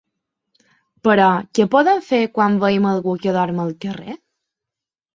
Però què podem fer quan veiem algú que dorm al carrer?